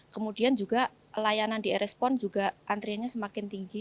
kemudian juga layanan di rs pon juga antriannya semakin tinggi